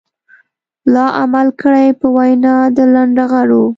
لا عمل کړي په وينا د لنډغرو.